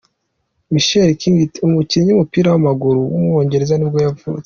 Michael Kightly, umukinnyi w’umupira w’amaguru w’umwongereza nibwo yavutse.